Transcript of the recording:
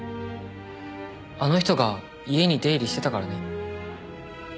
あの人が家に出入りしてたからね。